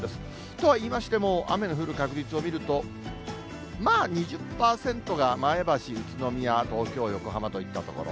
とは言いましても、雨の降る確率を見ると、まあ２０％が前橋、宇都宮、東京、横浜といったところ。